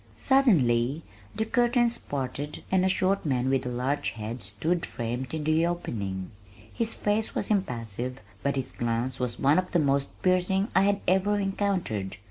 Suddenly the curtains parted and a short man with a large head stood framed in the opening. His face was impassive but his glance was one of the most piercing I had ever encountered.